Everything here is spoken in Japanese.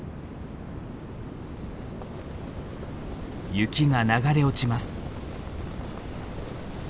雪が流れ落ちます。